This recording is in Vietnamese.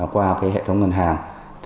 qua hệ thống ngân hàng